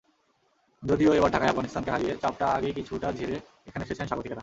যদিও এবার ঢাকায় আফগানিস্তানকে হারিয়ে চাপটা আগেই কিছুটা ঝেরে এখানে এসেছেন স্বাগতিকেরা।